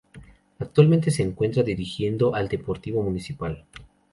Actualmente se encuentra dirigiendo al Deportivo Municipal.